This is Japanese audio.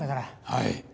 はい。